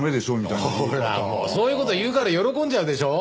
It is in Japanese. ほらそういう事言うから喜んじゃうでしょ。